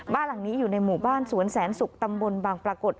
บ้านหลังนี้อยู่ในหมู่บ้านสวนแสนศุกร์ตำบลบางปรากฏ